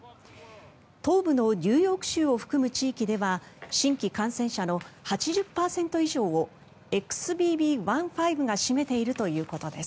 東部のニューヨーク州を含む地域では新規感染者の８０％以上をＸＢＢ．１．５が占めているということです。